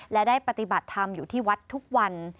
และได้ปฏิบัติธรรมอยู่ที่วัดทุกวัน